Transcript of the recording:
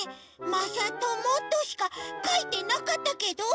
まさとも」としかかいてなかったけど？